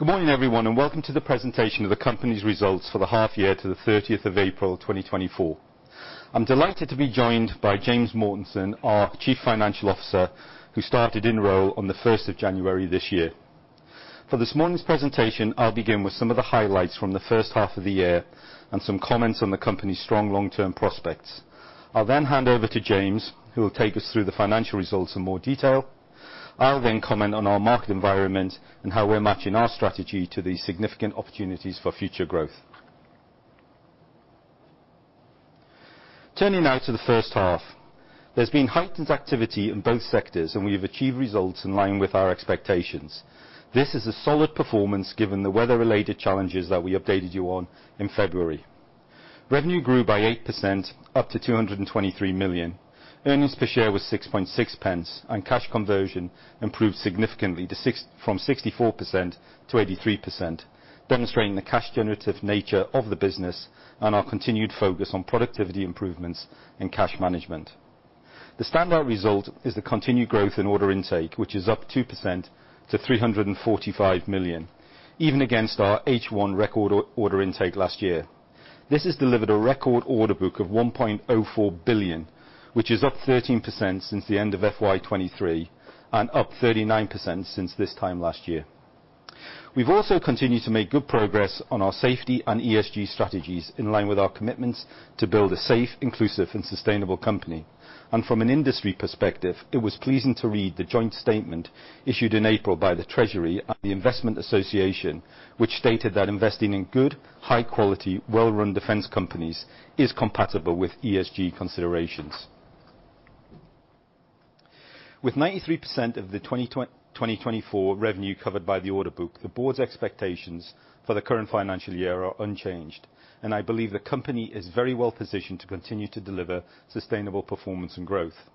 Good morning, everyone, and welcome to the presentation of the company's results for the half year to the 30/04/2024. I'm delighted to be joined by James Mortensen, our Chief Financial Officer, who started in role on the 01/01/2024 this year. For this morning's presentation, I'll begin with some of the highlights from the first half of the year and some comments on the company's strong long-term prospects. I'll then hand over to James, who will take us through the financial results in more detail. I'll then comment on our market environment and how we're matching our strategy to these significant opportunities for future growth. Turning now to the first half, there's been heightened activity in both sectors, and we have achieved results in line with our expectations. This is a solid performance given the weather-related challenges that we updated you on in February. Revenue grew by 8%, up to 223 million. Earnings per share was 6.6 pence, and cash conversion improved significantly from 64% to 83%, demonstrating the cash generative nature of the business and our continued focus on productivity improvements and cash management. The standout result is the continued growth in order intake, which is up 2% to 345 million, even against our H1 record order intake last year. This has delivered a record order book of 1.04 billion, which is up 13% since the end of FY 2023 and up 39% since this time last year. We've also continued to make good progress on our safety and ESG strategies in line with our commitments to build a safe, inclusive and sustainable company. From an industry perspective, it was pleasing to read the joint statement issued in April by the Treasury and the Investment Association, which stated that investing in good, high quality, well-run defense companies is compatible with ESG considerations. With 93% of the 2024 revenue covered by the order book, the board's expectations for the current financial year are unchanged, and I believe the company is very well positioned to continue to deliver sustainable performance and growth.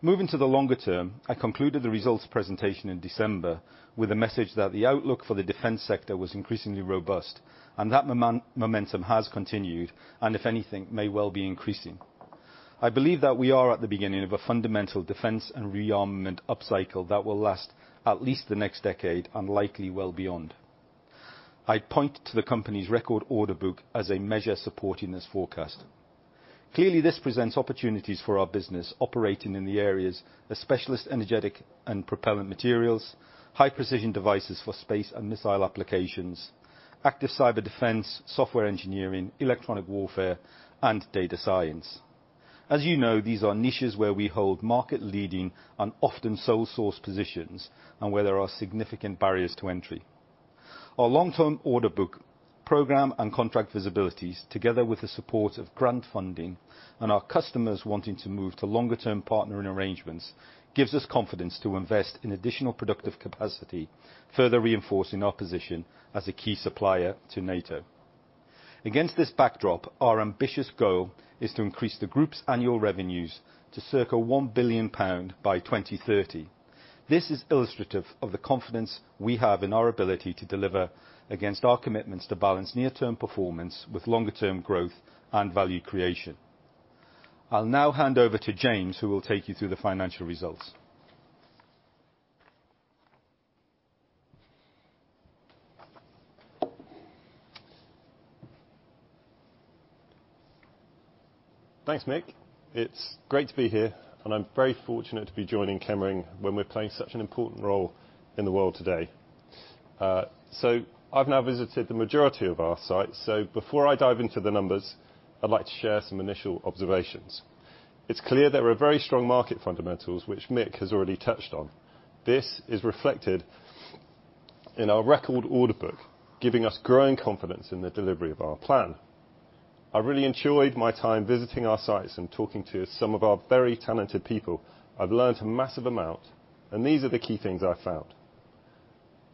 Moving to the longer term, I concluded the results presentation in December with a message that the outlook for the defense sector was increasingly robust, and that momentum has continued, and if anything, may well be increasing. I believe that we are at the beginning of a fundamental defense and rearmament upcycle that will last at least the next decade, and likely well beyond. I'd point to the company's record order book as a measure supporting this forecast. Clearly, this presents opportunities for our business operating in the areas of specialist energetic and propellant materials, high precision devices for space and missile applications, active cyber defense, software engineering, electronic warfare, and data science. As you know, these are niches where we hold market-leading and often sole source positions and where there are significant barriers to entry. Our long-term order book, program, and contract visibilities, together with the support of grant funding and our customers wanting to move to longer-term partnering arrangements, gives us confidence to invest in additional productive capacity, further reinforcing our position as a key supplier to NATO. Against this backdrop, our ambitious goal is to increase the group's annual revenues to circa 1 billion pound by 2030. This is illustrative of the confidence we have in our ability to deliver against our commitments to balance near-term performance with longer-term growth and value creation. I'll now hand over to James, who will take you through the financial results. Thanks, Mike. It's great to be here, and I'm very fortunate to be joining Chemring when we're playing such an important role in the world today. So I've now visited the majority of our sites, so before I dive into the numbers, I'd like to share some initial observations. It's clear there are very strong market fundamentals, which Mick has already touched on. This is reflected in our record order book, giving us growing confidence in the delivery of our plan. I really enjoyed my time visiting our sites and talking to some of our very talented people. I've learned a massive amount, and these are the key things I found.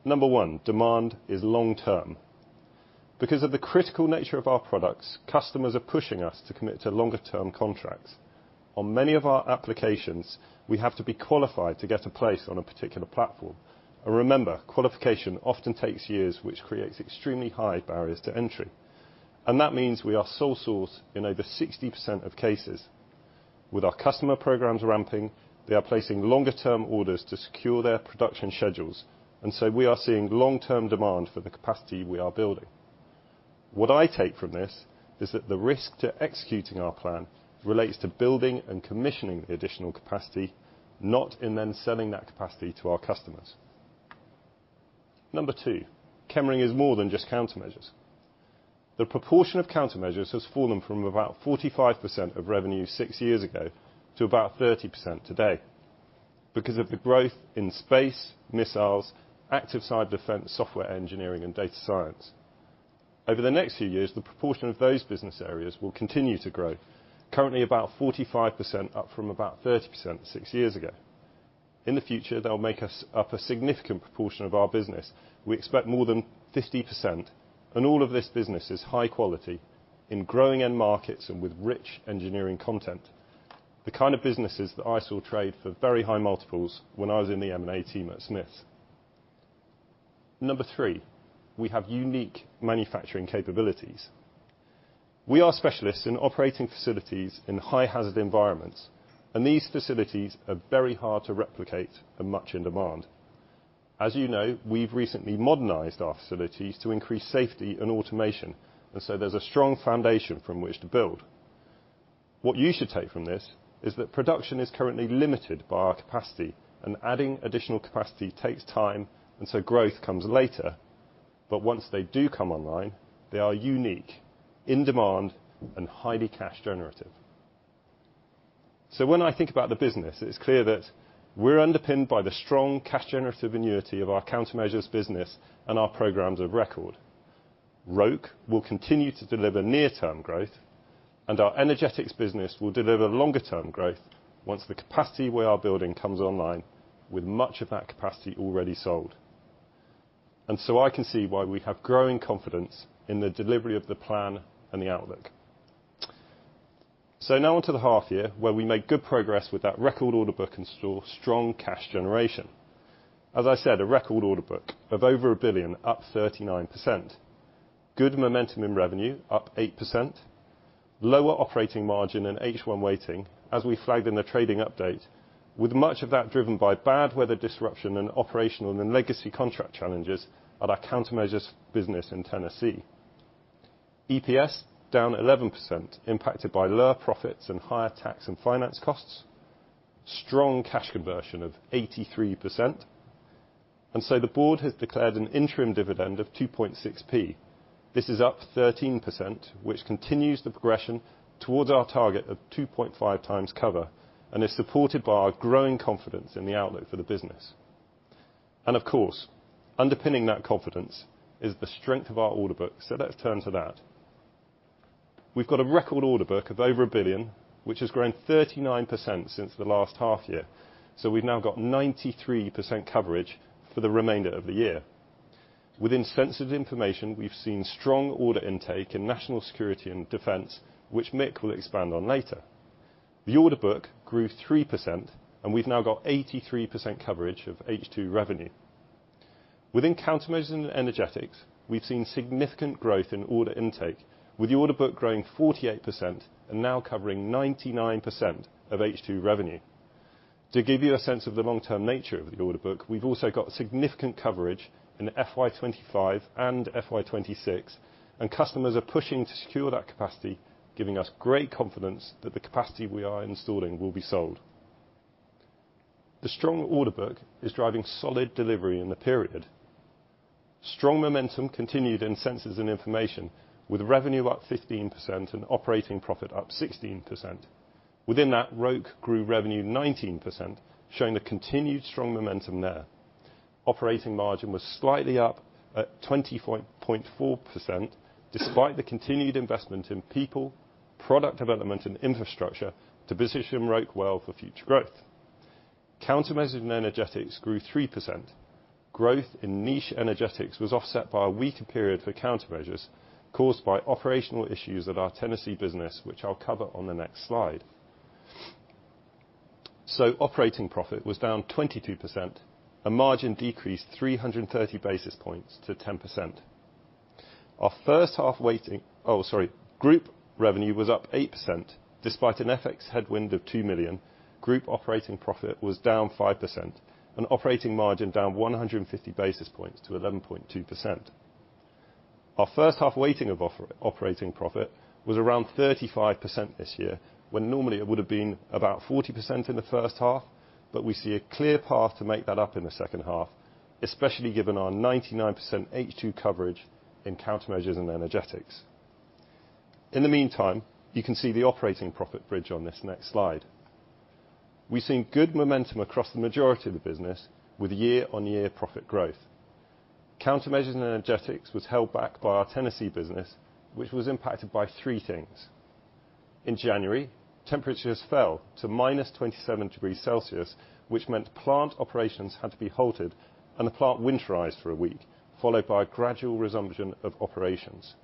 Number one, demand is long term. Because of the critical nature of our products, customers are pushing us to commit to longer term contracts. On many of our applications, we have to be qualified to get a place on a particular platform. And remember, qualification often takes years, which creates extremely high barriers to entry, and that means we are sole source in over 60% of cases. With our customer programs ramping, they are placing longer-term orders to secure their production schedules, and so we are seeing long-term demand for the capacity we are building. What I take from this is that the risk to executing our plan relates to building and commissioning the additional capacity, not in then selling that capacity to our customers. Number two, Chemring is more than just countermeasures. The proportion of countermeasures has fallen from about 45% of revenue six years ago to about 30% today because of the growth in space, missiles, Active Cyber Defense, software engineering, and data science. Over the next few years, the proportion of those business areas will continue to grow, currently about 45%, up from about 30% six years ago. In the future, they'll make us up a significant proportion of our business. We expect more than 50%, and all of this business is high quality in growing end markets and with rich engineering content, the kind of businesses that I saw trade for very high multiples when I was in the M&A team at Smiths. Number three, we have unique manufacturing capabilities. We are specialists in operating facilities in high-hazard environments, and these facilities are very hard to replicate and much in demand. As you know, we've recently modernized our facilities to increase safety and automation, and so there's a strong foundation from which to build. What you should take from this is that production is currently limited by our capacity, and adding additional capacity takes time, and so growth comes later. But once they do come online, they are unique, in demand, and highly cash generative. So when I think about the business, it's clear that we're underpinned by the strong cash generative annuity of our countermeasures business and our programs of record. Roke will continue to deliver near-term growth, and our energetics business will deliver longer-term growth once the capacity we are building comes online, with much of that capacity already sold. And so I can see why we have growing confidence in the delivery of the plan and the outlook. So now on to the half year, where we made good progress with that record order book and saw strong cash generation. As I said, a record order book of over 1 billion, up 39%. Good momentum in revenue, up 8%. Lower operating margin and H1 weighting, as we flagged in the trading update, with much of that driven by bad weather disruption and operational and legacy contract challenges at our countermeasures business in Tennessee. EPS down 11%, impacted by lower profits and higher tax and finance costs. Strong cash conversion of 83%. And so the board has declared an interim dividend of 2.6p. This is up 13%, which continues the progression towards our target of 2.5 times cover and is supported by our growing confidence in the outlook for the business. And of course, underpinning that confidence is the strength of our order book, so let's turn to that. We've got a record order book of over 1 billion, which has grown 39% since the last half year, so we've now got 93% coverage for the remainder of the year. Within Sensors and Information, we've seen strong order intake in national security and defense, which Mick will expand on later. The order book grew 3%, and we've now got 83% coverage of H2 revenue. Within countermeasures and energetics, we've seen significant growth in order intake, with the order book growing 48% and now covering 99% of H2 revenue. To give you a sense of the long-term nature of the order book, we've also got significant coverage in FY 2025 and FY 2026, and customers are pushing to secure that capacity, giving us great confidence that the capacity we are installing will be sold. The strong order book is driving solid delivery in the period. Strong momentum continued in sensors and information, with revenue up 15% and operating profit up 16%. Within that, Roke grew revenue 19%, showing a continued strong momentum there. Operating margin was slightly up at 20.4%, despite the continued investment in people, product development, and infrastructure to position Roke well for future growth. Countermeasures and energetics grew 3%. Growth in niche energetics was offset by a weaker period for countermeasures caused by operational issues at our Tennessee business, which I'll cover on the next slide. So operating profit was down 22%, a margin decrease 330 basis points to 10%. Our first half weighting... Oh, sorry. Group revenue was up 8%, despite an FX headwind of 2 million, group operating profit was down 5%, and operating margin down 150 basis points to 11.2%. Our first half weighting of operating profit was around 35% this year, when normally it would have been about 40% in the first half, but we see a clear path to make that up in the second half, especially given our 99% H2 coverage in countermeasures and energetics. In the meantime, you can see the operating profit bridge on this next slide. We've seen good momentum across the majority of the business, with year-on-year profit growth. Countermeasures and energetics was held back by our Tennessee business, which was impacted by three things. In January, temperatures fell to -27 degrees Celsius, which meant plant operations had to be halted and the plant winterized for a week, followed by a gradual resumption of operations.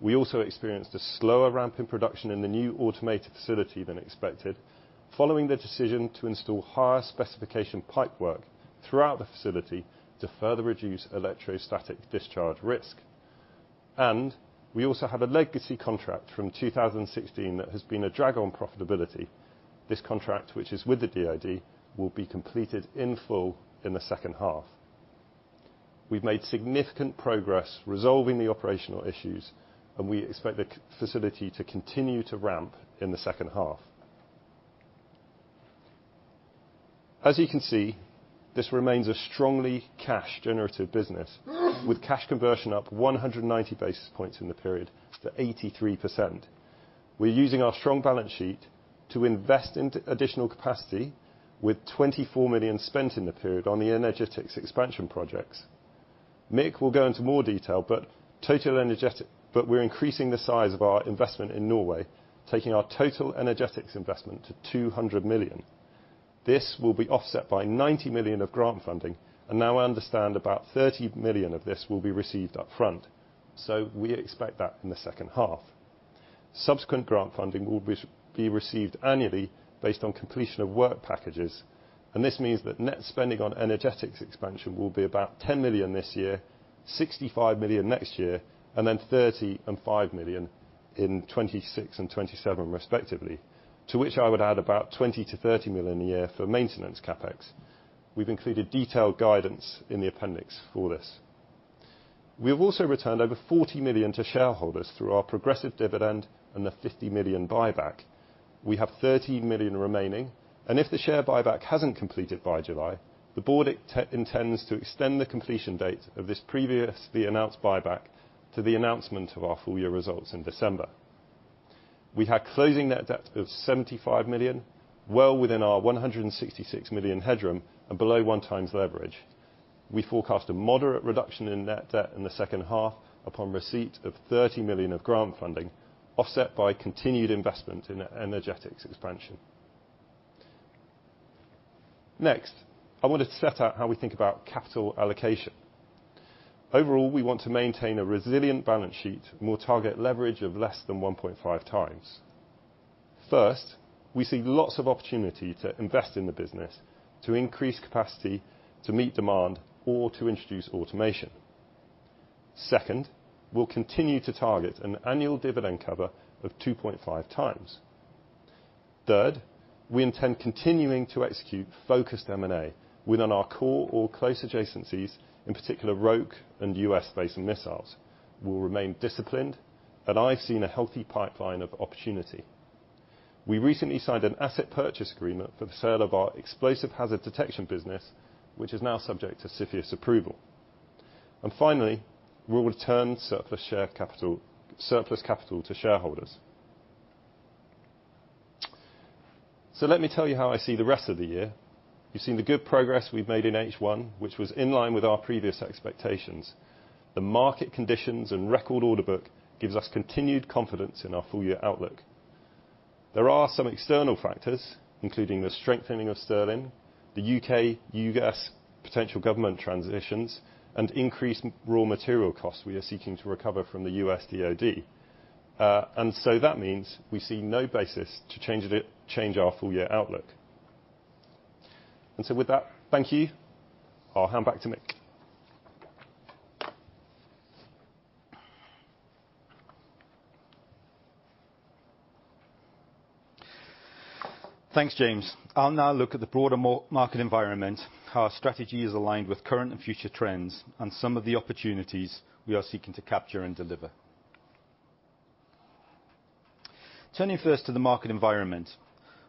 We also experienced a slower ramp in production in the new automated facility than expected, following the decision to install higher specification pipework throughout the facility to further reduce electrostatic discharge risk. We also have a legacy contract from 2016 that has been a drag on profitability. This contract, which is with the DOD, will be completed in full in the second half. We've made significant progress resolving the operational issues, and we expect the facility to continue to ramp in the second half. As you can see, this remains a strongly cash-generative business, with cash conversion up 190 basis points in the period to 83%. We're using our strong balance sheet to invest into additional capacity with 24 million spent in the period on the energetics expansion projects. Mick will go into more detail, but we're increasing the size of our investment in Norway, taking our total energetics investment to 200 million. This will be offset by 90 million of grant funding, and now I understand about 30 million of this will be received upfront, so we expect that in the second half. Subsequent grant funding will be received annually based on completion of work packages... and this means that net spending on energetics expansion will be about 10 million this year, 65 million next year, and then 30 and 5 million in 2026 and 2027 respectively, to which I would add about 20-30 million a year for maintenance CapEx. We've included detailed guidance in the appendix for this. We have also returned over 40 million to shareholders through our progressive dividend and the 50 million buyback. We have 13 million remaining, and if the share buyback hasn't completed by July, the board intends to extend the completion date of this previously announced buyback to the announcement of our full year results in December. We had closing net debt of 75 million, well within our 166 million headroom and below 1 times leverage. We forecast a moderate reduction in net debt in the second half upon receipt of 30 million of grant funding, offset by continued investment in energetics expansion. Next, I want to set out how we think about capital allocation. Overall, we want to maintain a resilient balance sheet and we'll target leverage of less than 1.5 times. First, we see lots of opportunity to invest in the business, to increase capacity, to meet demand, or to introduce automation. Second, we'll continue to target an annual dividend cover of 2.5 times. Third, we intend continuing to execute focused M&A within our core or close adjacencies, in particular, Roke and US-based missiles. We'll remain disciplined, and I've seen a healthy pipeline of opportunity. We recently signed an asset purchase agreement for the sale of our explosive hazard detection business, which is now subject to CFIUS approval. And finally, we will return surplus share capital, surplus capital to shareholders. So let me tell you how I see the rest of the year. You've seen the good progress we've made in H1, which was in line with our previous expectations. The market conditions and record order book gives us continued confidence in our full year outlook. There are some external factors, including the strengthening of sterling, the U.K., U.S., potential government transitions, and increased raw material costs we are seeking to recover from the US DOD. And so that means we see no basis to change it, change our full year outlook. And so with that, thank you. I'll hand back to Mick. Thanks, James. I'll now look at the broader market environment, how our strategy is aligned with current and future trends, and some of the opportunities we are seeking to capture and deliver. Turning first to the market environment,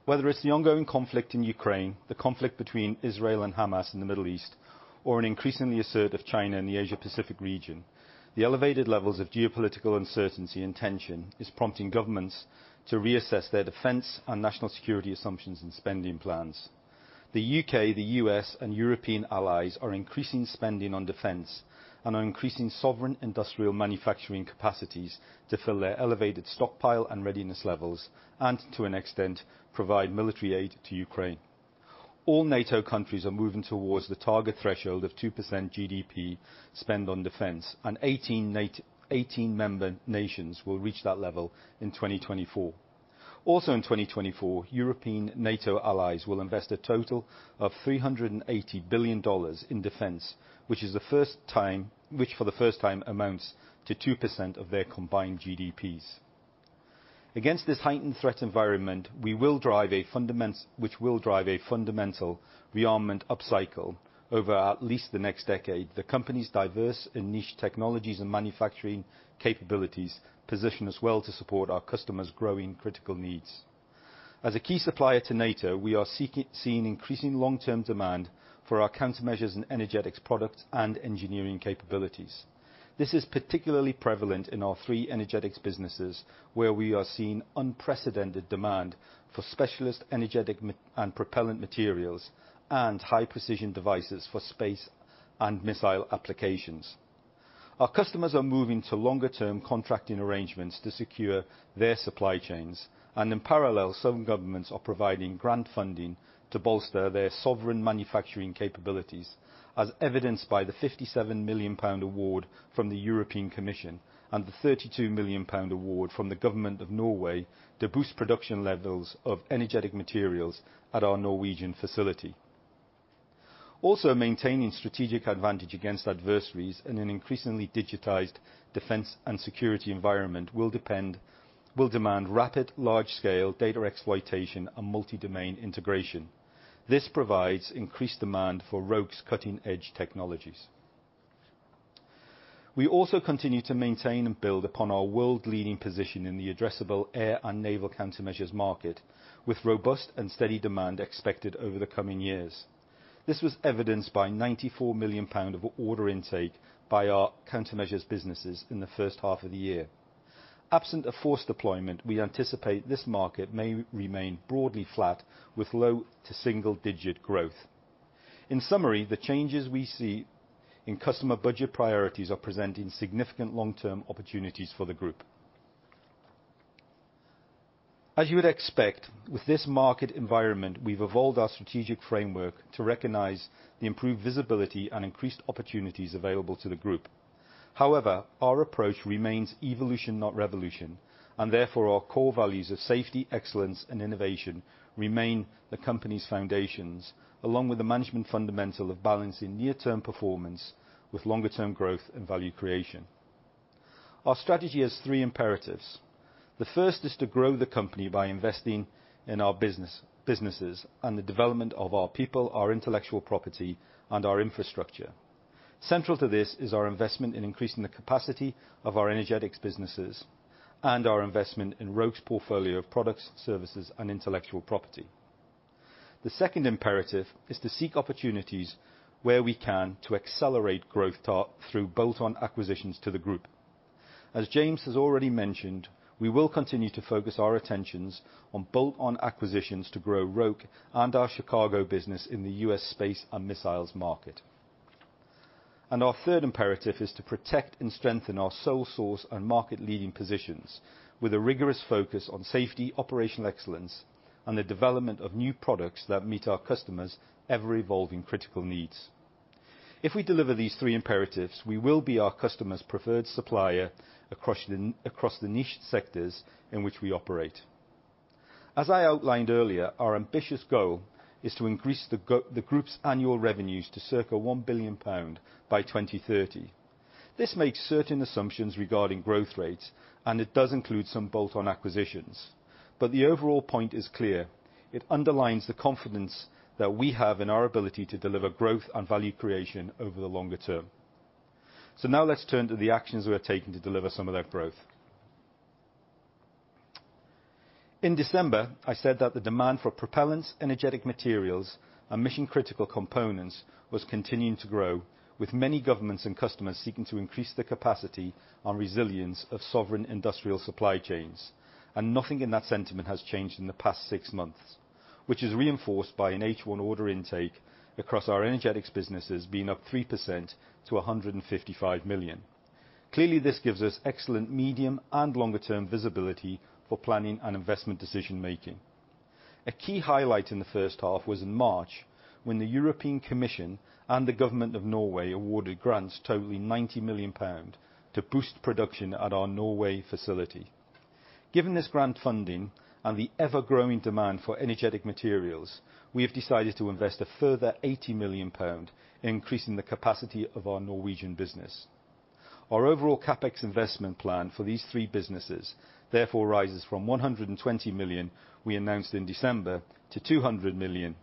whether it's the ongoing conflict in Ukraine, the conflict between Israel and Hamas in the Middle East, or an increasingly assertive China in the Asia Pacific region, the elevated levels of geopolitical uncertainty and tension is prompting governments to reassess their defense and national security assumptions and spending plans. The U.K., the U.S., and European allies are increasing spending on defense and are increasing sovereign industrial manufacturing capacities to fill their elevated stockpile and readiness levels, and to an extent, provide military aid to Ukraine. All NATO countries are moving towards the target threshold of 2% GDP spend on defense, and 18 member nations will reach that level in 2024. Also, in 2024, European NATO allies will invest a total of $380 billion in defense, which for the first time amounts to 2% of their combined GDPs. Against this heightened threat environment, which will drive a fundamental rearmament upcycle over at least the next decade. The company's diverse and niche technologies and manufacturing capabilities position us well to support our customers' growing critical needs. As a key supplier to NATO, we are seeing increasing long-term demand for our countermeasures and energetics products and engineering capabilities. This is particularly prevalent in our three energetics businesses, where we are seeing unprecedented demand for specialist energetic materials and propellant materials and high-precision devices for space and missile applications. Our customers are moving to longer-term contracting arrangements to secure their supply chains, and in parallel, some governments are providing grant funding to bolster their sovereign manufacturing capabilities, as evidenced by the 57 million pound award from the European Commission and the 32 million pound award from the government of Norway to boost production levels of energetic materials at our Norwegian facility. Also, maintaining strategic advantage against adversaries in an increasingly digitized defense and security environment will demand rapid, large-scale data exploitation and multi-domain integration. This provides increased demand for Roke's cutting-edge technologies. We also continue to maintain and build upon our world-leading position in the addressable air and naval countermeasures market, with robust and steady demand expected over the coming years. This was evidenced by 94 million pound of order intake by our countermeasures businesses in the first half of the year. Absent a force deployment, we anticipate this market may remain broadly flat, with low to single-digit growth. In summary, the changes we see in customer budget priorities are presenting significant long-term opportunities for the group. As you would expect, with this market environment, we've evolved our strategic framework to recognize the improved visibility and increased opportunities available to the group.... However, our approach remains evolution, not revolution, and therefore, our core values of safety, excellence, and innovation remain the company's foundations, along with the management fundamental of balancing near-term performance with longer-term growth and value creation. Our strategy has three imperatives. The first is to grow the company by investing in our businesses, and the development of our people, our intellectual property, and our infrastructure. Central to this is our investment in increasing the capacity of our energetics businesses, and our investment in Roke's portfolio of products, services, and intellectual property. The second imperative is to seek opportunities where we can to accelerate growth through bolt-on acquisitions to the group. As James has already mentioned, we will continue to focus our attentions on bolt-on acquisitions to grow Roke and our Chicago business in the US space and missiles market. And our third imperative is to protect and strengthen our sole source and market-leading positions with a rigorous focus on safety, operational excellence, and the development of new products that meet our customers' ever-evolving critical needs. If we deliver these three imperatives, we will be our customer's preferred supplier across the across the niche sectors in which we operate. As I outlined earlier, our ambitious goal is to increase the the group's annual revenues to circa 1 billion pound by 2030. This makes certain assumptions regarding growth rates, and it does include some bolt-on acquisitions. But the overall point is clear: it underlines the confidence that we have in our ability to deliver growth and value creation over the longer term. So now let's turn to the actions we are taking to deliver some of that growth. In December, I said that the demand for propellants, energetic materials, and mission-critical components was continuing to grow, with many governments and customers seeking to increase the capacity and resilience of sovereign industrial supply chains, and nothing in that sentiment has changed in the past six months, which is reinforced by an H1 order intake across our energetics businesses being up 3% to 155 million. Clearly, this gives us excellent medium- and longer-term visibility for planning and investment decision-making. A key highlight in the first half was in March, when the European Commission and the government of Norway awarded grants totaling GBP 90 million to boost production at our Norway facility. Given this grant funding and the ever-growing demand for energetic materials, we have decided to invest a further 80 million pound, increasing the capacity of our Norwegian business. Our overall CapEx investment plan for these three businesses, therefore, rises from 120 million, we announced in December, to 200 million.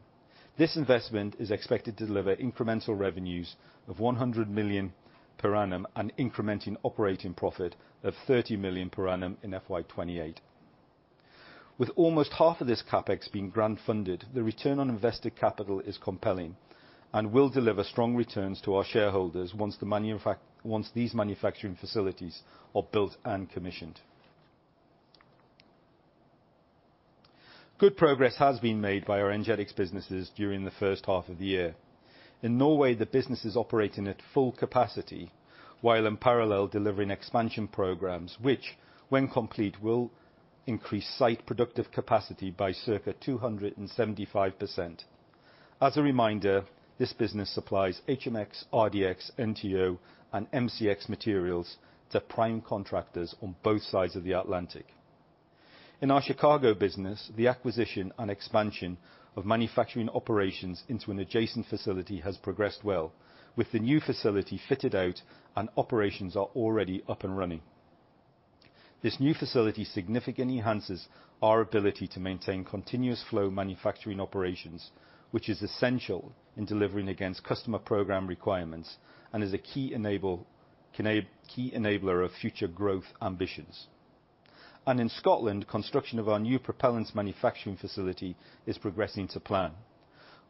This investment is expected to deliver incremental revenues of 100 million per annum and incremental operating profit of 30 million per annum in FY 2028. With almost half of this CapEx being grant-funded, the return on invested capital is compelling and will deliver strong returns to our shareholders once these manufacturing facilities are built and commissioned. Good progress has been made by our energetics businesses during the first half of the year. In Norway, the business is operating at full capacity, while in parallel, delivering expansion programs, which, when complete, will increase site productive capacity by circa 275%. As a reminder, this business supplies HMX, RDX, NTO, and MCX materials to prime contractors on both sides of the Atlantic. In our Chicago business, the acquisition and expansion of manufacturing operations into an adjacent facility has progressed well, with the new facility fitted out and operations already up and running. This new facility significantly enhances our ability to maintain continuous flow manufacturing operations, which is essential in delivering against customer program requirements and is a key enabler of future growth ambitions. In Scotland, construction of our new propellants manufacturing facility is progressing to plan.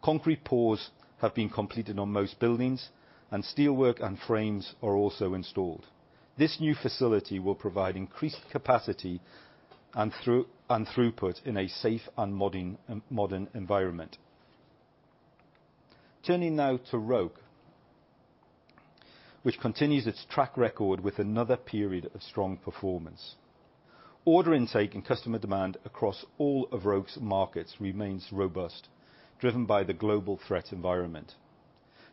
Concrete pours have been completed on most buildings, and steelwork and frames are also installed. This new facility will provide increased capacity and throughput in a safe and modern environment. Turning now to Roke, which continues its track record with another period of strong performance. Order intake and customer demand across all of Roke's markets remains robust, driven by the global threat environment.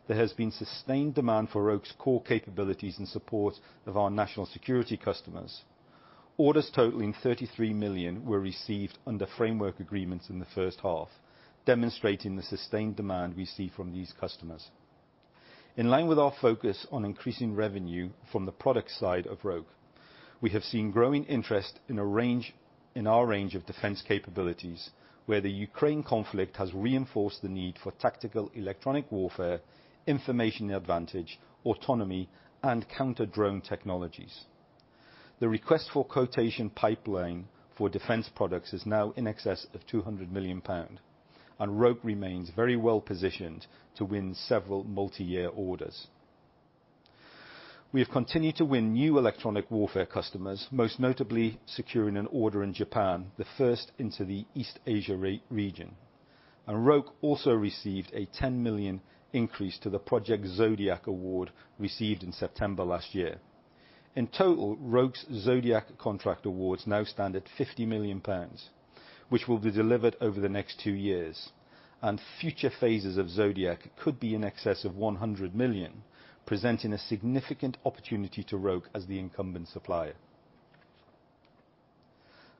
There has been sustained demand for Roke's core capabilities in support of our national security customers. Orders totaling 33 million were received under framework agreements in the first half, demonstrating the sustained demand we see from these customers. In line with our focus on increasing revenue from the product side of Roke, we have seen growing interest in our range of defense capabilities, where the Ukraine conflict has reinforced the need for tactical electronic warfare, information advantage, autonomy, and counter-drone technologies. The request for quotation pipeline for defense products is now in excess of 200 million pound, and Roke remains very well-positioned to win several multi-year orders. We have continued to win new electronic warfare customers, most notably securing an order in Japan, the first into the East Asia region. Roke also received a 10 million increase to the Project Zodiac award received in September last year. In total, Roke's Zodiac contract awards now stand at 50 million pounds, which will be delivered over the next two years, and future phases of Zodiac could be in excess of 100 million, presenting a significant opportunity to Roke as the incumbent supplier.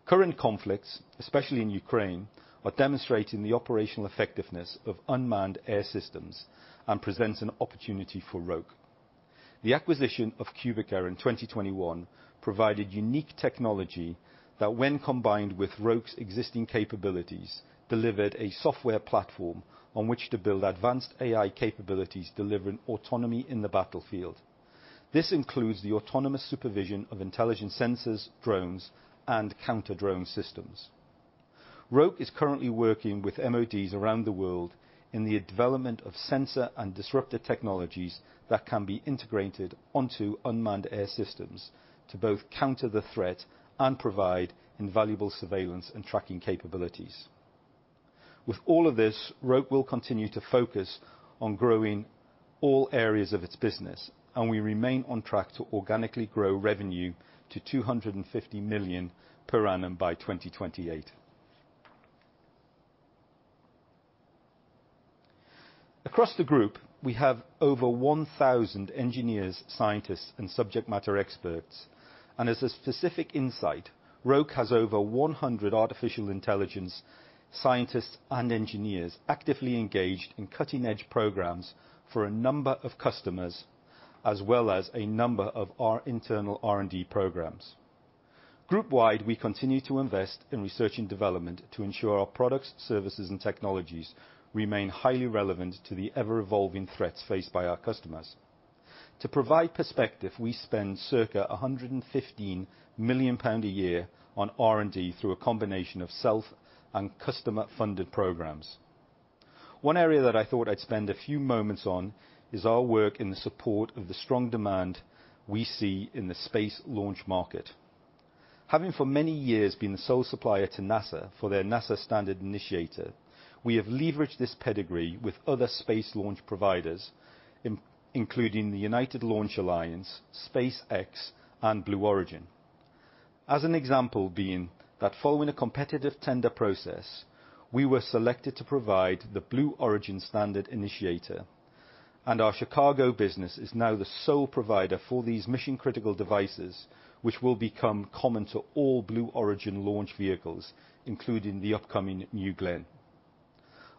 Current conflicts, especially in Ukraine, are demonstrating the operational effectiveness of unmanned air systems and presents an opportunity for Roke. The acquisition of Cubica in 2021 provided unique technology that when combined with Roke's existing capabilities, delivered a software platform on which to build advanced AI capabilities, delivering autonomy in the battlefield. This includes the autonomous supervision of intelligent sensors, drones, and counter-drone systems. Roke is currently working with MODs around the world in the development of sensor and disruptive technologies that can be integrated onto unmanned air systems to both counter the threat and provide invaluable surveillance and tracking capabilities. With all of this, Roke will continue to focus on growing all areas of its business, and we remain on track to organically grow revenue to 250 million per annum by 2028. Across the group, we have over 1,000 engineers, scientists, and subject matter experts, and as a specific insight, Roke has over 100 artificial intelligence scientists and engineers actively engaged in cutting-edge programs for a number of customers, as well as a number of our internal R&D programs. Group-wide, we continue to invest in research and development to ensure our products, services, and technologies remain highly relevant to the ever-evolving threats faced by our customers. To provide perspective, we spend circa 115 million pound a year on R&D through a combination of self and customer-funded programs. One area that I thought I'd spend a few moments on is our work in the support of the strong demand we see in the space launch market. Having for many years been the sole supplier to NASA for their NASA Standard Initiator, we have leveraged this pedigree with other space launch providers, including the United Launch Alliance, SpaceX, and Blue Origin. As an example, being that following a competitive tender process, we were selected to provide the Blue Origin Standard Initiator, and our Chicago business is now the sole provider for these mission-critical devices, which will become common to all Blue Origin launch vehicles, including the upcoming New Glenn.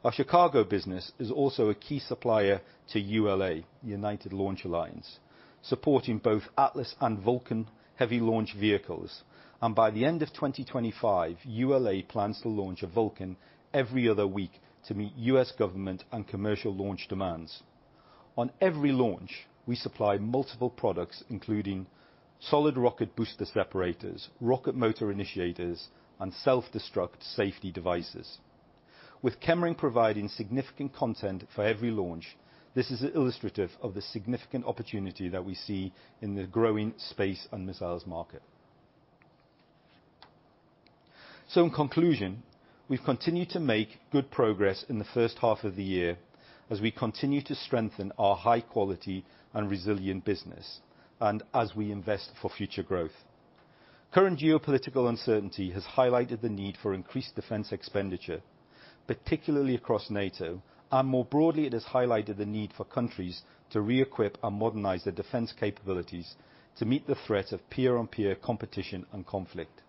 Our Chicago business is also a key supplier to ULA, United Launch Alliance, supporting both Atlas and Vulcan heavy launch vehicles, and by the end of 2025, ULA plans to launch a Vulcan every other week to meet U.S. government and commercial launch demands. On every launch, we supply multiple products, including solid rocket booster separators, rocket motor initiators, and self-destruct safety devices. With Chemring providing significant content for every launch, this is illustrative of the significant opportunity that we see in the growing space and missiles market. So in conclusion, we've continued to make good progress in the first half of the year as we continue to strengthen our high quality and resilient business and as we invest for future growth. Current geopolitical uncertainty has highlighted the need for increased defense expenditure, particularly across NATO, and more broadly, it has highlighted the need for countries to reequip and modernize their defense capabilities to meet the threat of peer-on-peer competition and conflict.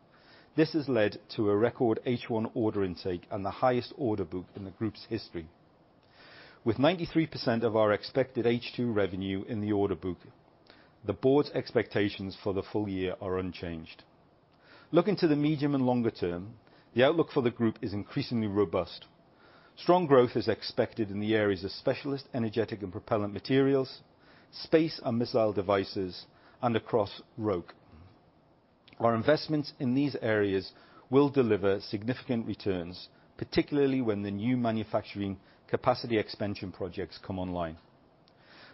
This has led to a record H1 order intake and the highest order book in the group's history. With 93% of our expected H2 revenue in the order book, the board's expectations for the full year are unchanged. Looking to the medium and longer term, the outlook for the group is increasingly robust. Strong growth is expected in the areas of specialist energetic and propellant materials, space and missile devices, and across Roke. Our investments in these areas will deliver significant returns, particularly when the new manufacturing capacity expansion projects come online.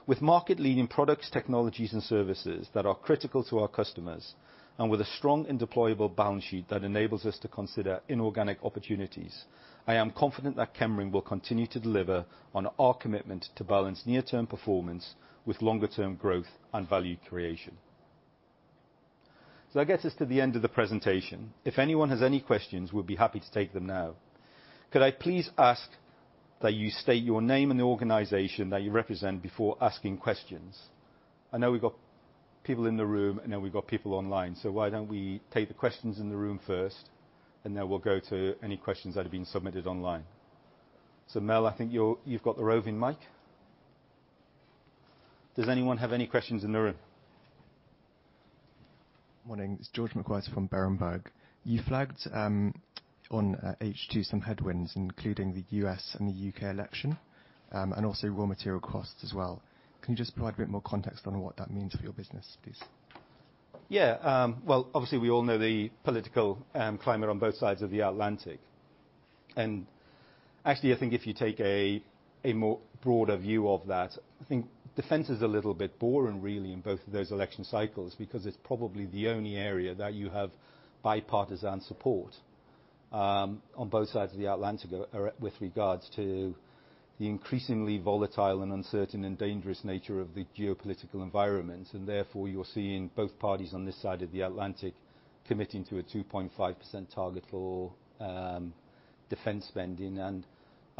With market-leading products, technologies, and services that are critical to our customers, and with a strong and deployable balance sheet that enables us to consider inorganic opportunities, I am confident that Chemring will continue to deliver on our commitment to balance near-term performance with longer-term growth and value creation. So that gets us to the end of the presentation. If anyone has any questions, we'll be happy to take them now. Could I please ask that you state your name and the organization that you represent before asking questions? I know we've got people in the room, I know we've got people online, so why don't we take the questions in the room first, and then we'll go to any questions that have been submitted online. So Mel, I think you've got the roving mic. Does anyone have any questions in the room? Morning, it's George McWhirter from Berenberg. You flagged on H2 some headwinds, including the US and the UK election, and also raw material costs as well. Can you just provide a bit more context on what that means for your business, please? Yeah, well, obviously, we all know the political climate on both sides of the Atlantic. And actually, I think if you take a more broader view of that, I think defense is a little bit boring, really, in both of those election cycles, because it's probably the only area that you have bipartisan support on both sides of the Atlantic with regards to the increasingly volatile and uncertain and dangerous nature of the geopolitical environment, and therefore, you're seeing both parties on this side of the Atlantic committing to a 2.5% target for defense spending. And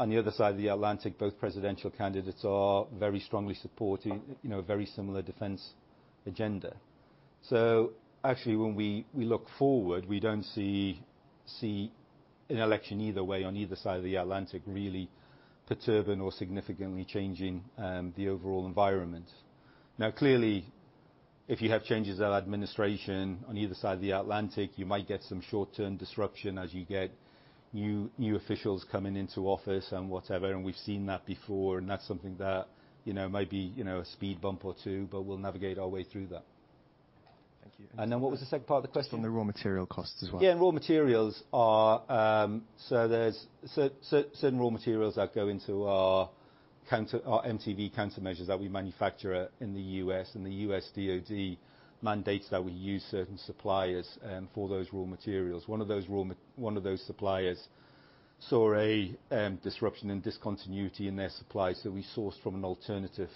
on the other side of the Atlantic, both presidential candidates are very strongly supporting, you know, a very similar defense agenda. Actually, when we look forward, we don't see an election either way, on either side of the Atlantic, really perturbing or significantly changing the overall environment. Now, clearly, if you have changes of administration on either side of the Atlantic, you might get some short-term disruption as you get new officials coming into office and whatever, and we've seen that before, and that's something that, you know, might be, you know, a speed bump or two, but we'll navigate our way through that. Thank you. What was the second part of the question? On the raw material costs as well. Yeah, raw materials are. So there's certain raw materials that go into our countermeasures that we manufacture in the U.S., and the U.S. DoD mandates that we use certain suppliers for those raw materials. One of those suppliers saw a disruption and discontinuity in their supply, so we sourced from an alternative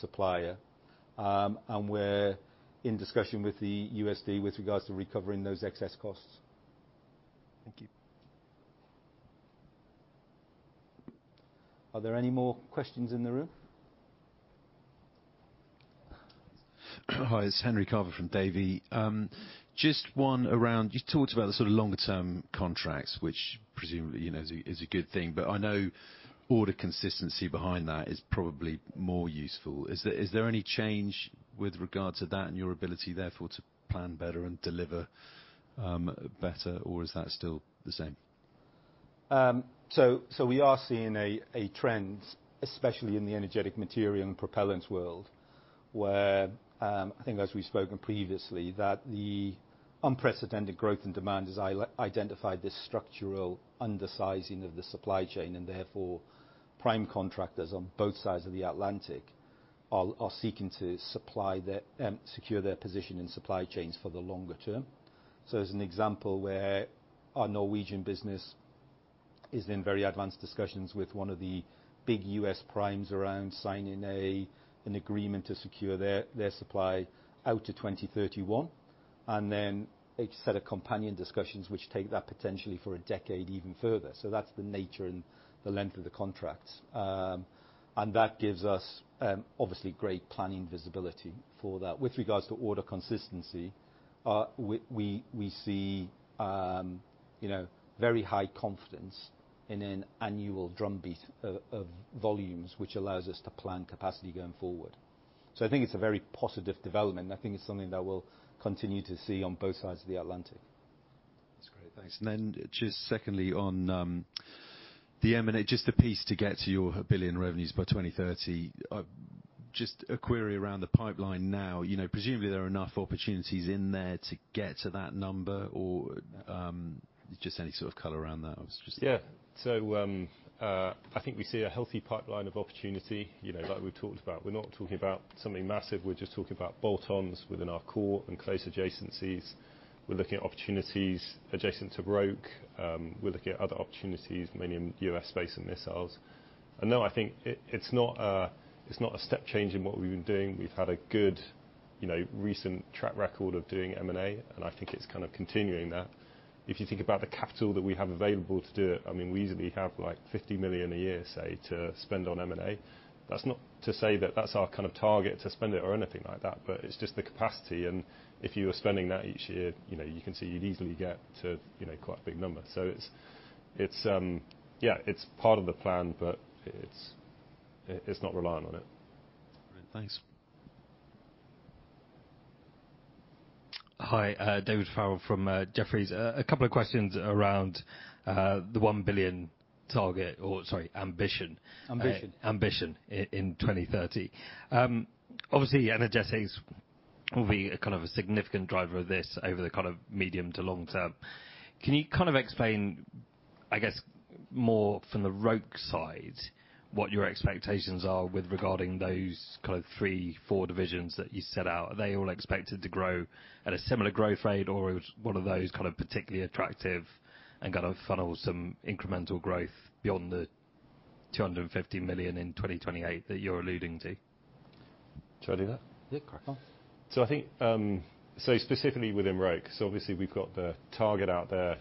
supplier. And we're in discussion with the U.S. DoD with regards to recovering those excess costs. Thank you. Are there any more questions in the room? Hi, it's Henry Carver from Peel Hunt. Just one around... You talked about the sort of long-term contracts, which presumably, you know, is a, is a good thing, but I know order consistency behind that is probably more useful. Is there, is there any change with regard to that, and your ability therefore, to plan better and deliver, better, or is that still the same? So we are seeing a trend, especially in the energetic material and propellants world, where I think as we've spoken previously, that the unprecedented growth in demand has identified this structural undersizing of the supply chain, and therefore, prime contractors on both sides of the Atlantic are seeking to secure their position in supply chains for the longer term. So as an example, where our Norwegian business is in very advanced discussions with one of the big US primes around signing an agreement to secure their supply out to 2031, and then a set of companion discussions, which take that potentially for a decade even further. So that's the nature and the length of the contracts. And that gives us, obviously, great planning visibility for that. With regards to order consistency, we see, you know, very high confidence in an annual drumbeat of volumes, which allows us to plan capacity going forward. So I think it's a very positive development, and I think it's something that we'll continue to see on both sides of the Atlantic. That's great. Thanks. And then just secondly, on the M&A, just the piece to get to your 1 billion revenues by 2030. Just a query around the pipeline now. You know, presumably there are enough opportunities in there to get to that number, or just any sort of color around that? I was just- Yeah. So, I think we see a healthy pipeline of opportunity. You know, like we talked about, we're not talking about something massive, we're just talking about bolt-ons within our core and close adjacencies. We're looking at opportunities adjacent to Roke. We're looking at other opportunities, mainly in U.S. space and missiles. And no, I think it's not a step change in what we've been doing. We've had a good, you know, recent track record of doing M&A, and I think it's kind of continuing that. If you think about the capital that we have available to do it, I mean, we easily have, like, 50 million a year, say, to spend on M&A. That's not to say that that's our kind of target to spend it or anything like that, but it's just the capacity, and if you were spending that each year, you know, you can see you'd easily get to, you know, quite a big number. So it's, it's, yeah, it's part of the plan, but it's, it's not reliant on it. Great. Thanks. Hi, David Farrell from Jefferies. A couple of questions around the 1 billion target, or sorry, ambition- Ambition. Ambition in 2030. Obviously, energetics will be a kind of a significant driver of this over the kind of medium to long term. Can you kind of explain, I guess, more from the Roke side, what your expectations are with regarding those kind of three, four divisions that you set out? Are they all expected to grow at a similar growth rate, or is one of those kind of particularly attractive and gonna funnel some incremental growth beyond the 250 million in 2028 that you're alluding to? Should I do that? Yeah, crack on. So I think, so specifically within Roke, so obviously we've got the target out there.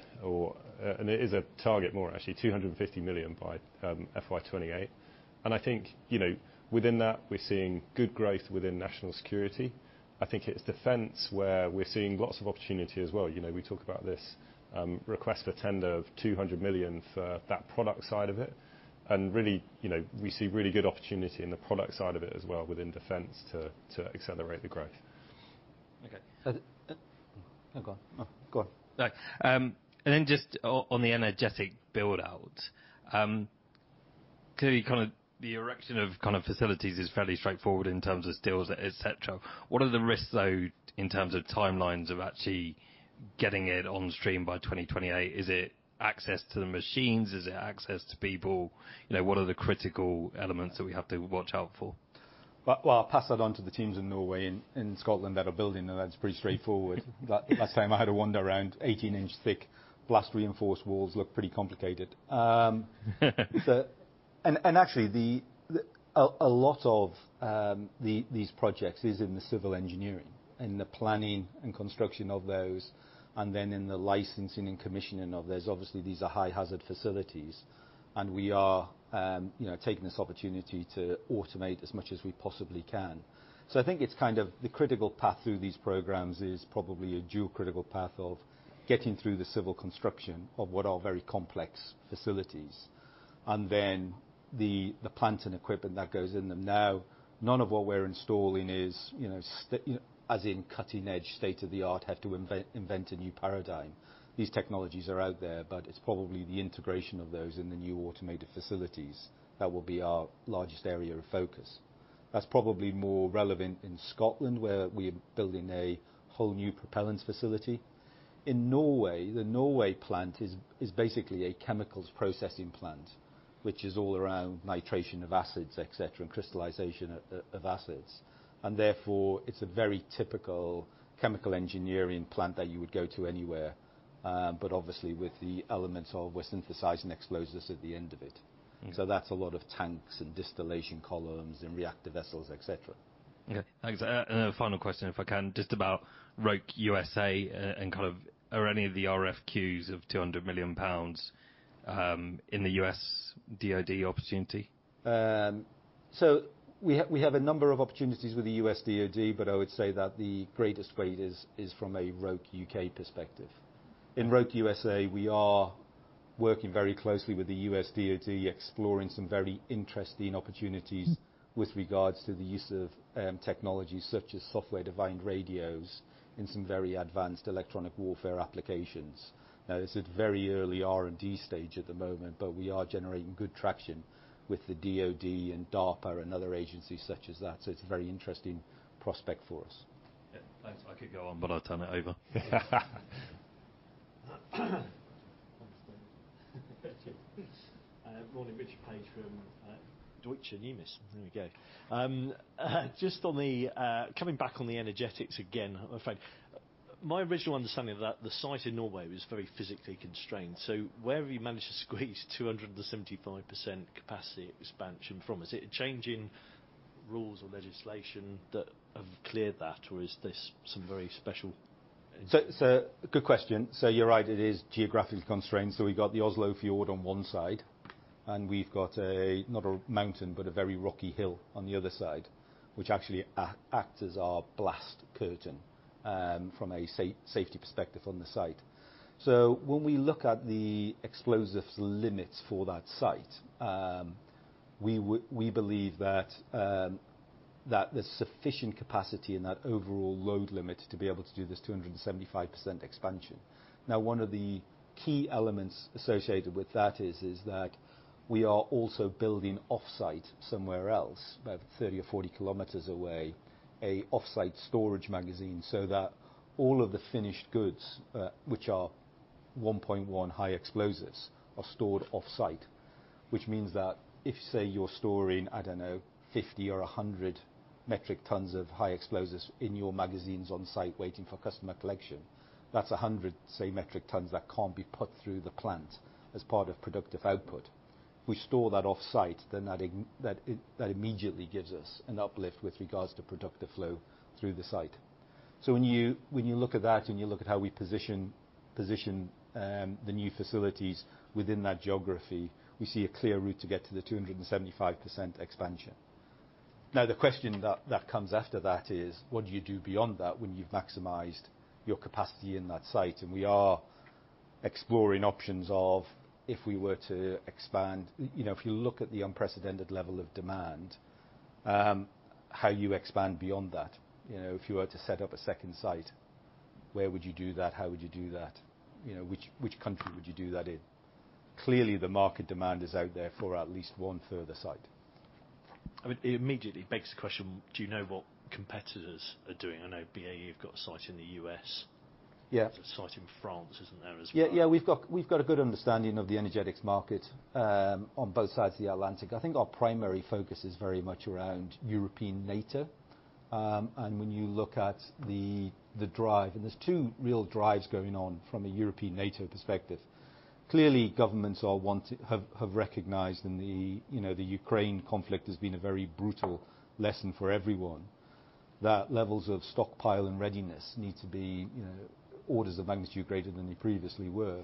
And it is a target, more actually, 250 million by FY 2028. And I think, you know, within that, we're seeing good growth within national security. I think it's defense, where we're seeing lots of opportunity as well. You know, we talk about this, request for tender of 200 million for that product side of it, and really, you know, we see really good opportunity in the product side of it as well, within defense, to accelerate the growth. Okay. No, go on. No, go on. And then just on the energetic build-out, clearly, kind of the erection of kind of facilities is fairly straightforward in terms of steels, et cetera. What are the risks, though, in terms of timelines of actually getting it on stream by 2028? Is it access to the machines? Is it access to the people? You know, what are the critical elements that we have to watch out for? Well, well, I'll pass that on to the teams in Norway and Scotland that are building them, that's pretty straightforward. But last time I had to wander around 18-inch thick, blast reinforced walls, looked pretty complicated. And actually, a lot of these projects is in the civil engineering, in the planning and construction of those, and then in the licensing and commissioning of those. Obviously, these are high-hazard facilities, and we are, you know, taking this opportunity to automate as much as we possibly can. So I think it's kind of the critical path through these programs is probably a dual critical path of getting through the civil construction of what are very complex facilities, and then the plant and equipment that goes in them. Now, none of what we're installing is, you know, as in cutting-edge, state-of-the-art, have to invent a new paradigm. These technologies are out there, but it's probably the integration of those in the new automated facilities that will be our largest area of focus. That's probably more relevant in Scotland, where we are building a whole new propellants facility. In Norway, the Norway plant is basically a chemicals processing plant, which is all around nitration of acids, et cetera, and crystallization of acids. And therefore, it's a very typical chemical engineering plant that you would go to anywhere, but obviously, with the elements of we're synthesizing explosives at the end of it. Mm-hmm. That's a lot of tanks and distillation columns and reactor vessels, et cetera. Okay, thanks. A final question, if I can, just about Roke USA, and kind of are any of the RFQs of 200 million pounds in the U.S. DoD opportunity? So we have a number of opportunities with the U.S. DoD, but I would say that the greatest weight is from a Roke U.K. perspective. In Roke USA, we are working very closely with the US DoD, exploring some very interesting opportunities- Mm... with regards to the use of, technology, such as software-defined radios and some very advanced electronic warfare applications. Now, this is very early R&D stage at the moment, but we are generating good traction with the DoD and DARPA and other agencies such as that, so it's a very interesting prospect for us. Yeah, thanks. I could go on, but I'll turn it over. Morning, Richard Page from Deutsche Numis. There we go. Just on the coming back on the energetics again, I find— My original understanding is that the site in Norway was very physically constrained, so where have you managed to squeeze 275% capacity expansion from? Is it a change in rules or legislation that have cleared that, or is this some very special- So, good question. So you're right, it is geographically constrained. So we've got the Oslo Fjord on one side, and we've got a, not a mountain, but a very rocky hill on the other side, which actually acts as our blast curtain from a safety perspective on the site. So when we look at the explosives limits for that site, we believe that there's sufficient capacity in that overall load limit to be able to do this 275% expansion. Now, one of the key elements associated with that is that we are also building off-site, somewhere else, about 30 or 40 kilometers away, a off-site storage magazine, so that all of the finished goods, which are 1.1 high explosives, are stored off-site. Which means that if, say, you're storing, I don't know, 50 or 100 metric tons of high explosives in your magazines on-site, waiting for customer collection, that's 100, say, metric tons that can't be put through the plant as part of productive output. We store that off-site, then that immediately gives us an uplift with regards to productive flow through the site. So when you look at that, and you look at how we position the new facilities within that geography, we see a clear route to get to the 275% expansion. Now, the question that comes after that is, what do you do beyond that when you've maximized your capacity in that site? And we are exploring options of if we were to expand... You know, if you look at the unprecedented level of demand, how you expand beyond that. You know, if you were to set up a second site, where would you do that? How would you do that? You know, which, which country would you do that in? Clearly, the market demand is out there for at least one further site. I mean, it immediately begs the question, do you know what competitors are doing? I know BAE have got a site in the U.S. Yeah. There's a site in France, isn't there, as well? Yeah, yeah, we've got, we've got a good understanding of the energetics market on both sides of the Atlantic. I think our primary focus is very much around European NATO. And when you look at the, the drive, and there's two real drives going on from a European NATO perspective. Clearly, governments have, have recognized, in the, you know, the Ukraine conflict has been a very brutal lesson for everyone, that levels of stockpile and readiness need to be, you know, orders of magnitude greater than they previously were.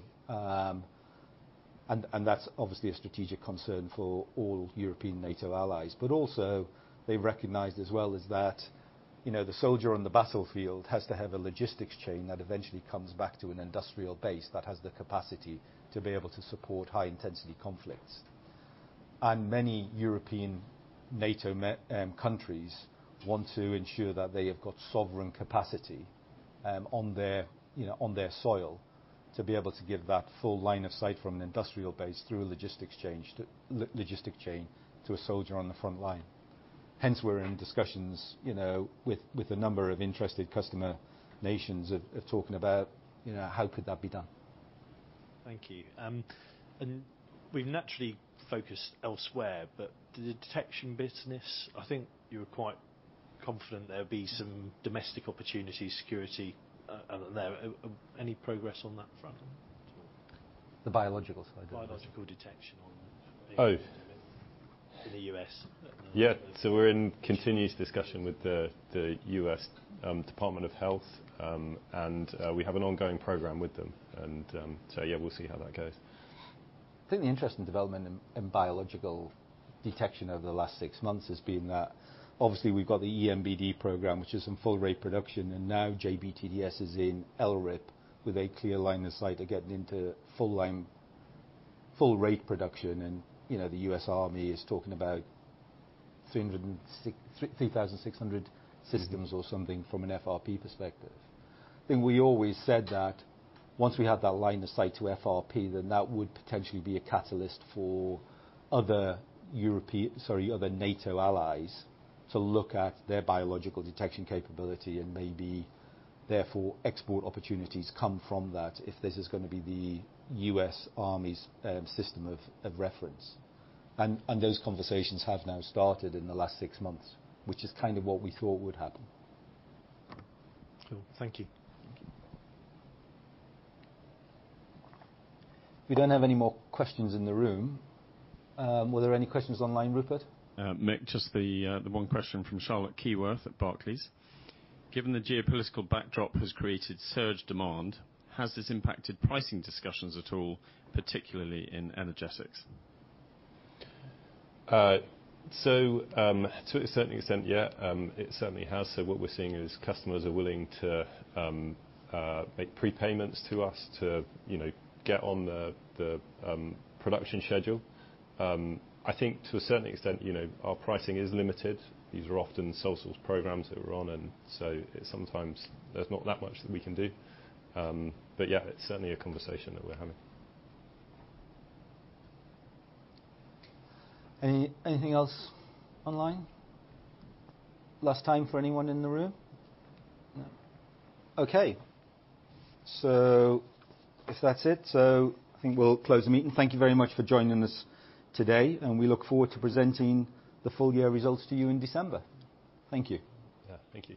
And that's obviously a strategic concern for all European NATO allies. But also, they recognized as well is that, you know, the soldier on the battlefield has to have a logistics chain that eventually comes back to an industrial base that has the capacity to be able to support high-intensity conflicts. Many European NATO countries want to ensure that they have got sovereign capacity on their, you know, on their soil to be able to give that full line of sight from an industrial base through a logistics exchange to logistic chain to a soldier on the front line. Hence, we're in discussions, you know, with a number of interested customer nations of talking about, you know, how could that be done. Thank you. We've naturally focused elsewhere, but the detection business, I think you were quite confident there'll be some domestic opportunity security, there. Any progress on that front at all? The biological side? Biological detection on- Oh. In the U.S. Yeah. So we're in continuous discussion with the U.S. Department of Health. And we have an ongoing program with them, and so yeah, we'll see how that goes. I think the interest in development in biological detection over the last six months has been that obviously we've got the EMBD program, which is in full-rate production, and now JBTDS is in LRIP, with a clear line of sight of getting into full-rate production. You know, the U.S. Army is talking about 300 and six-- 3,600 systems or something from an FRP perspective. Then we always said that once we had that line of sight to FRP, then that would potentially be a catalyst for other NATO allies to look at their biological detection capability, and maybe therefore export opportunities come from that if this is gonna be the U.S. Army's system of reference. Those conversations have now started in the last six months, which is kind of what we thought would happen. Cool. Thank you. Thank you. We don't have any more questions in the room. Were there any questions online, Rupert? Mick, just the one question from Charlotte Keyworth at Barclays: Given the geopolitical backdrop has created surge demand, has this impacted pricing discussions at all, particularly in energetics? So, to a certain extent, yeah. It certainly has. So what we're seeing is, customers are willing to make prepayments to us to, you know, get on the production schedule. I think to a certain extent, you know, our pricing is limited. These are often Sole Source programs that we're on, and sometimes there's not that much that we can do. But yeah, it's certainly a conversation that we're having. Anything else online? Last time for anyone in the room? No. Okay, so if that's it, so I think we'll close the meeting. Thank you very much for joining us today, and we look forward to presenting the full year results to you in December. Thank you. Yeah, thank you.